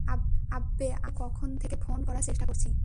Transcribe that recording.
আব্বে, আমি তোকে কখন থেকে ফোন করার চেষ্টা করছি!